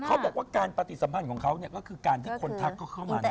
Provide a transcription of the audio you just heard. เขาบอกว่าการปฏิสัมพันธ์ของเขาเนี่ยก็คือการที่คนทักเขาเข้ามา